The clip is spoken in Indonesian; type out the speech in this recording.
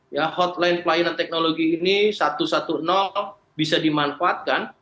ya hotline pelayanan teknologi ini satu ratus sepuluh bisa dimanfaatkan